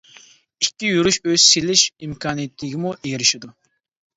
ئىككى يۈرۈش ئۆي سېلىش ئىمكانىيىتىگىمۇ ئېرىشىدۇ.